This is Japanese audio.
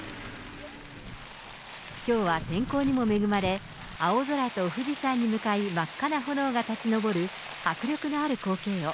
きょうは天候にも恵まれ、青空と富士山に向かい、真っ赤な炎が立ちのぼる迫力のある光景を、